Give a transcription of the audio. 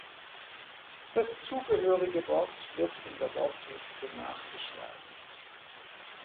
Das zugehörige Wort wird in der Wortliste nachgeschlagen.